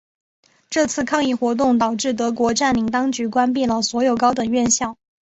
这次抗议活动导致德国占领当局关闭了所有高等院校。